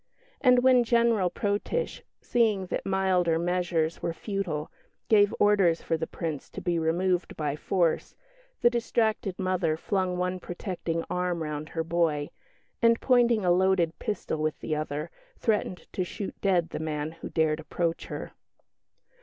And when General Protitsch, seeing that milder measures were futile, gave orders for the Prince to be removed by force, the distracted mother flung one protecting arm round her boy; and, pointing a loaded pistol with the other, threatened to shoot dead the man who dared approach her.